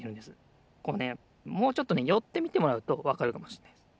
こうねもうちょっとねよってみてもらうとわかるかもしれないです。